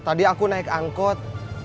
tadi aku naik angkot